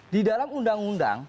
di dalam undang undang